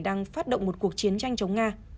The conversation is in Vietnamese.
đang phát động một cuộc chiến tranh chống nga